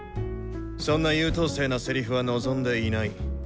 そんな優等生なセリフは望んでいない。